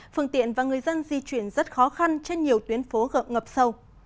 phương tiện và người dân di chuyển rất khó khăn trên nhiều tuyến phố gợm ngập sâu